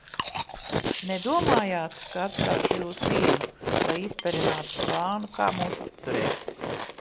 Nedomājāt, ka atstāšu jūs vienu, lai izperinātu plānu, kā mūs apturēt?